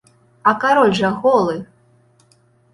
А кароль жа голы!